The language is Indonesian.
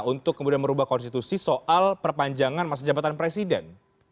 untuk kemudian merubah konstitusi soal perpanjangan masa jabatan presiden